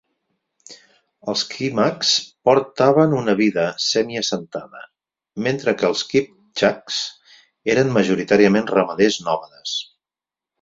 Els Kimaks portaven una vida semi-assentada, mentre que els Kipchaks eren majoritàriament ramaders nòmades.